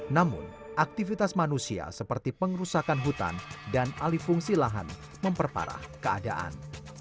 namun aktivitas manusia seperti pengrusakan hutan dan alifungsi lahan memperparah keadaan